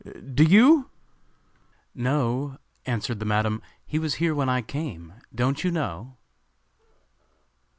Do you?" "No," answered the Madam; "he was here when I came. Don't you know?"